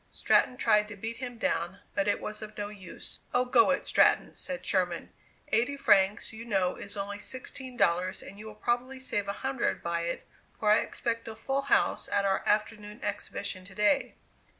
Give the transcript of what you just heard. Stratton tried to beat him down, but it was of no use. "Oh, go it, Stratton," said Sherman; "eighty francs you know is only sixteen dollars, and you will probably save a hundred by it, for I expect a full house at our afternoon exhibition to day."